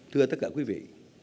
thưa tất cả quý vị